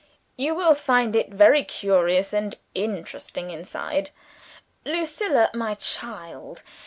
"You will find it very curious and interesting inside. Lucilla, my child!